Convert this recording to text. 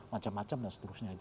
macam macam dan seterusnya